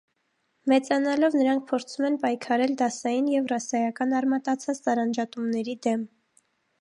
Մեծանալով նրանք փորձում են պայքարել դասային և ռասայական արմատացած տարանջատումների դեմ։